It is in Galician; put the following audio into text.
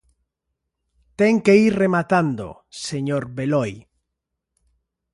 Ten que ir rematando, señor Beloi.